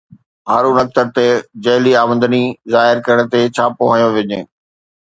هارون اختر تي جعلي آمدني ظاهر ڪرڻ تي ڇاپو هنيو وڃي